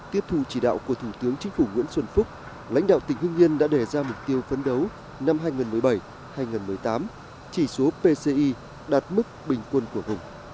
tiếp thù chỉ đạo của thủ tướng chính phủ nguyễn xuân phúc lãnh đạo tỉnh hương yên đã đề ra mục tiêu phấn đấu năm hai nghìn một mươi bảy hai nghìn một mươi tám chỉ số pci đạt mức bình quân của vùng